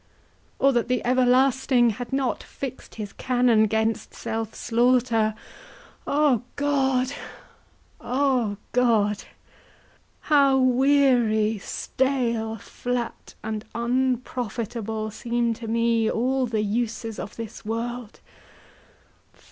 Or that the Everlasting had not fix'd His canon 'gainst self slaughter. O God! O God! How weary, stale, flat, and unprofitable Seem to me all the uses of this world!